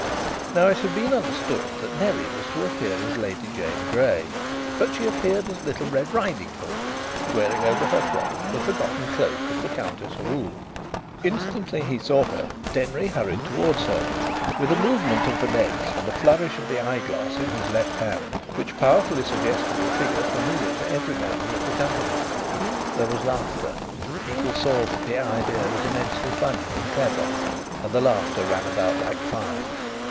Now it had been understood that Nellie was to appear as Lady Jane Grey. But she appeared as Little Red Riding Hood, wearing over her frock the forgotten cloak of the Countess Ruhl. Instantly he saw her, Denry hurried towards her, with a movement of the legs and a flourish of the eyeglass in his left hand which powerfully suggested a figure familiar to every member of the company. There was laughter. People saw that the idea was immensely funny and clever, and the laughter ran about like fire.